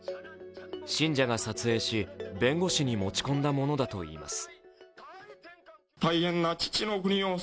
信者が撮影し、弁護士に持ち込んだ物だといいます。